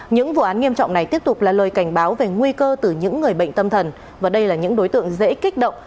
những vụ án nghiêm trọng này tiếp tục là lời cảnh báo về nguy cơ từ những người bệnh tâm thần và đây là những đối tượng dễ kích động